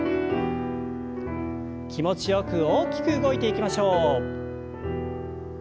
気持ちよく大きく動いていきましょう。